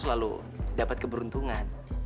selalu dapat keberuntungan